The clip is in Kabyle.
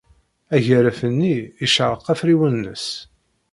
Agaref-nni icerreq afriwen-nnes.